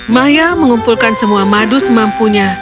maya mengumpulkan semua madu semampunya